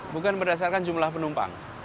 bukan berdasarkan jumlah penumpang